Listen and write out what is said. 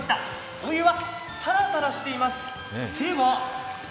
お湯はさらさらしています。